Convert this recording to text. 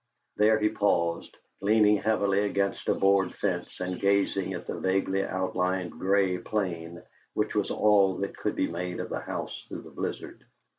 There he paused, leaning heavily against a board fence and gazing at the vaguely outlined gray plane which was all that could be made of the house through the blizzard.